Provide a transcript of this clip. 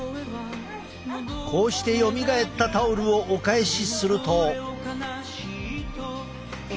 こうしてよみがえったタオルをお返しすると。